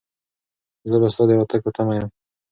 زه به ستا د راتګ په تمه یم.